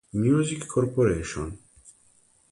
Music Corporation.